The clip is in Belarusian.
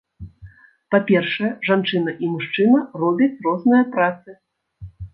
Па-першае, жанчына і мужчына робяць розныя працы.